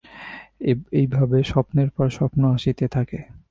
এইভাবে স্বপ্নের পর স্বপ্ন আসিতে থাকে।